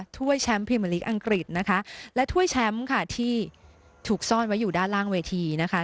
ถ้วยแชมป์พรีเมอร์ลีกอังกฤษนะคะและถ้วยแชมป์ค่ะที่ถูกซ่อนไว้อยู่ด้านล่างเวทีนะคะ